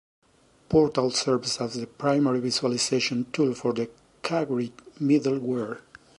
Portal serves as the primary visualization tool for the caGrid middleware.